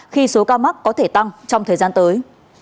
khi số ca mắc có thể tăng trong thời gian tới